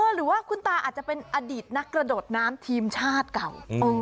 หรือว่าคุณตาอาจจะเป็นอดีตนักกระโดดน้ำทีมชาติเก่า